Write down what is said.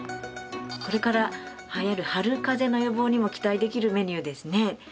これから流行る春かぜの予防にも期待できるメニューですね。